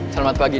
selamat pagi nin